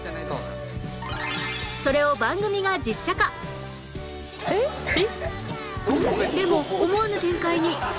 それを番組が実写化えっ！？えっ！？